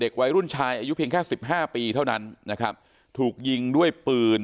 วัยรุ่นชายอายุเพียงแค่สิบห้าปีเท่านั้นนะครับถูกยิงด้วยปืน